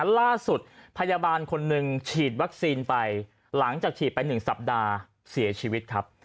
ล่าสุดพยาบาลคนหนึ่งฉีดวัคซีนไปหลังจากฉีดไป๑สัปดาห์เสียชีวิตครับ